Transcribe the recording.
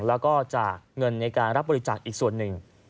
แล้วก็จากเงินในการรับบริจาคอีกส่วนหนึ่ง